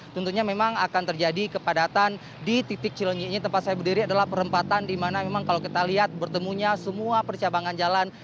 tentunya memang akan terjadi kepadatan di titik cilonyi ini tempat saya berdiri adalah perempatan di mana memang kalau kita lihat bertemunya semua percabangan jalan